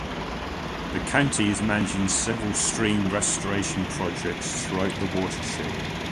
The county is managing several stream restoration projects throughout the watershed.